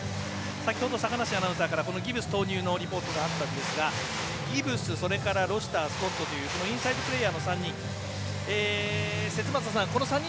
先ほど坂梨アナウンサーからギブス投入のリポートがあったんですがギブス、それからロシタースコットというインサイドプレーヤーの３人。